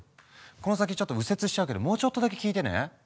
この先ちょっと右折しちゃうけどもうちょっとだけ聞いてね。